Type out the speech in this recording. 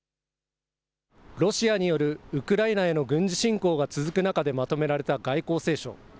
ロシアによるウクライナへの軍事侵攻が続く中でまとめられた外交青書。